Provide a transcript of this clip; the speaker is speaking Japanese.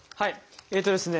えっとですね